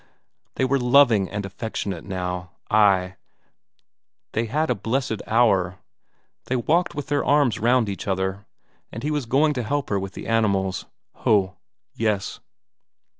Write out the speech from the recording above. They were loving and affectionate now, ay, they had a blessed hour; they walked with their arms round each other, and he was going to help her with the animals. Ho, yes!